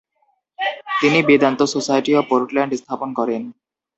তিনি Vedanta society of Portland স্থাপন করেন।